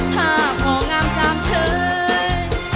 ภาพพองามสามเชย